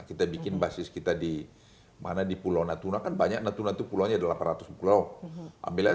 kita bikin basis kita di mana di pulau natuna kan banyak natuna itu pulaunya delapan ratus pulau ambilnya